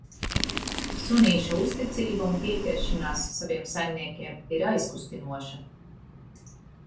Sunīša uzticība un pieķeršanās saviem saimniekiem ir aizkustinoša.